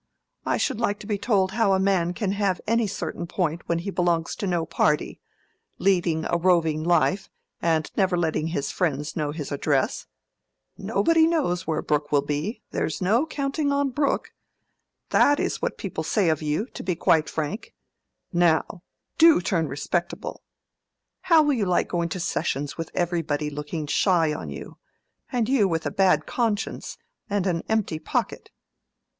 I should like to be told how a man can have any certain point when he belongs to no party—leading a roving life, and never letting his friends know his address. 'Nobody knows where Brooke will be—there's no counting on Brooke'—that is what people say of you, to be quite frank. Now, do turn respectable. How will you like going to Sessions with everybody looking shy on you, and you with a bad conscience and an empty pocket?"